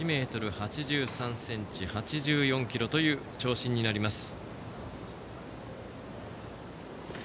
１ｍ８３ｃｍ８４ｋｇという長身になります。